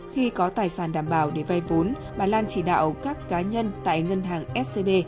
khi có tài sản đảm bảo để vay vốn bà lan chỉ đạo các cá nhân tại ngân hàng scb